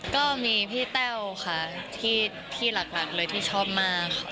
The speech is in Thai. ก็มีพี่แต้วค่ะที่หลักเลยที่ชอบมากค่ะ